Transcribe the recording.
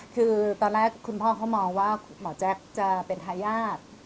คือตอนแรกคุณพ่อเขามองว่าหมอแจ๊คจะเป็นทายาท